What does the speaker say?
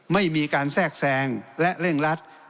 ไม่มีการแทรกแซงและเร่งรัด